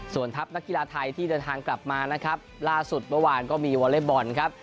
ส่วนทัพนักกีฬาไทยที่เดินทางกลับมานะครับล่าสุดเมื่อวานก็มีวอเล็กบอลครับ